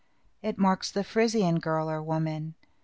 It marks the Frisian girl or woman.